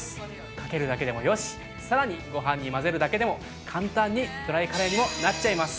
かけるだけでもよし、さらに、ごはんに混ぜるだけでも簡単に、ドライカレーにもなっちゃいます。